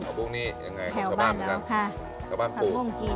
ผักปุ้งนี่ยังไงของชาวบ้านเหมือนกัน